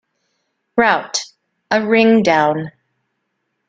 Route: A ring-down.